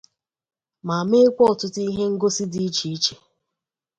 ma mekwa ọtụtụ ihe ngosi dị icheiche